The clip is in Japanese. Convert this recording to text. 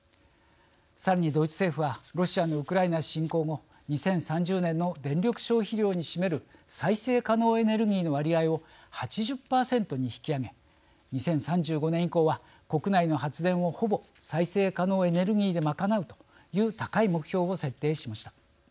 さらにドイツ政府はロシアのウクライナ侵攻後２０３０年の電力消費量に占める再生可能エネルギーの割合を８０％に引き上げ２０３５年以降は国内の発電をほぼ再生可能エネルギーで賄うという高い目標を設定しました。